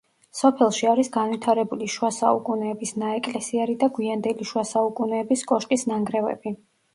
სოფელში არის განვითარებული შუა საუკუნეების ნაეკლესიარი და გვიანდელი შუა საუკუნეების კოშკის ნანგრევები.